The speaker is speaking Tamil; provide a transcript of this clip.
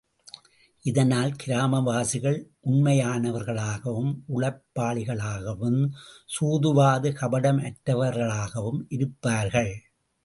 இதனால் கிராமவாசிகள் உண்மையானவர்களாகவும், உழைப்பாளிகளாகவும், சூதுவாது, கபடமற்றவார்களாகவும் இருப்பார்கள்.